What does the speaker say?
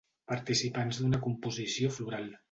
Participants d’una composició floral.